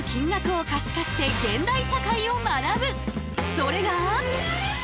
それが。